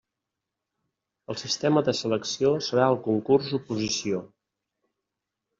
El sistema de selecció serà el concurs-oposició.